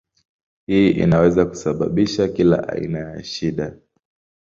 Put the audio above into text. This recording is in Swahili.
Hii inaweza kusababisha kila aina ya shida.